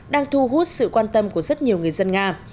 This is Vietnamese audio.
đang thu hút sự quan tâm của rất nhiều người dân nga